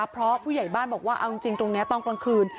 เพราะผู้ใหญ่บ้านบอกว่าเอาจริงตรงนี้ตอนกลางคืน